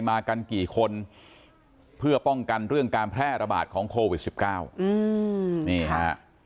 มากันกี่คนเพื่อป้องกันเรื่องการแพร่ระบาดของโควิดสิบเก้าอืมนี่ฮะ